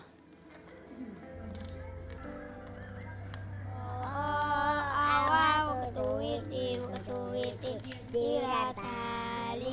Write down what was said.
ketua ketua awal ketua itu ketua itu awal